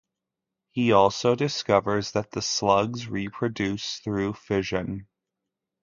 He also discovers that the slugs reproduce through fission.